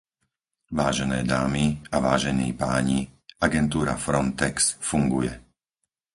Vážené dámy a vážení páni, agentúra Frontex funguje.